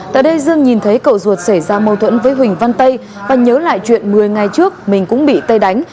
tại đây dương nhìn thấy cậu ruột xảy ra mâu thuẫn với huỳnh văn tây và nhớ lại chuyện một mươi ngày trước mình cũng bị tây đánh